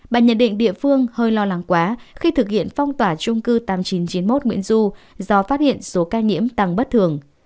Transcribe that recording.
bà nhận định địa phương hơi lo lắng quá khi thực hiện phong tỏa trung cư tám nghìn chín trăm chín mươi một nguyễn du do phát hiện số ca nhiễm tăng bất thường